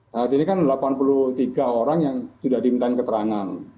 nah jadi kan delapan puluh tiga orang yang sudah diminta keterangan